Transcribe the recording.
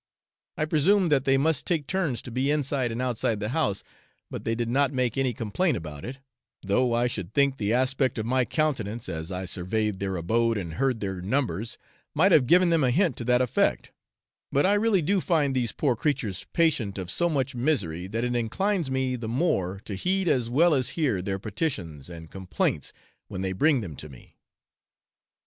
I presume that they must take turns to be inside and outside the house, but they did not make any complaint about it, though I should think the aspect of my countenance, as I surveyed their abode and heard their numbers, might have given them a hint to that effect; but I really do find these poor creatures patient of so much misery, that it inclines me the more to heed as well as hear their petitions and complaints, when they bring them to me.